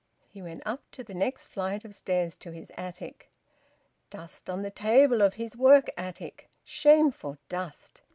He went up to the next flight of stairs to his attic. Dust on the table of his work attic! Shameful dust!